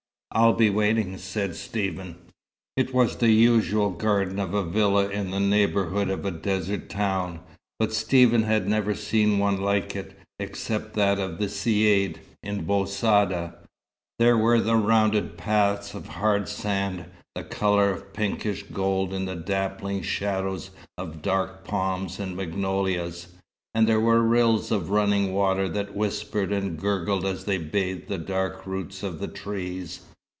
"I'll be waiting," said Stephen. It was the usual garden of a villa in the neighbourhood of a desert town, but Stephen had never seen one like it, except that of the Caïd, in Bou Saada. There were the rounded paths of hard sand, the colour of pinkish gold in the dappling shadows of date palms and magnolias, and there were rills of running water that whispered and gurgled as they bathed the dark roots of the trees.